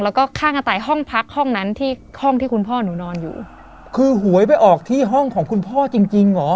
แล้วก็ข้างกระต่ายห้องพักห้องนั้นที่ห้องที่คุณพ่อหนูนอนอยู่คือหวยไปออกที่ห้องของคุณพ่อจริงจริงเหรอ